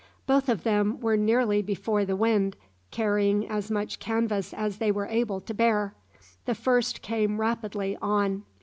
Both of them were nearly before the wind, carrying as much canvas as they were able to bear. The first came rapidly on.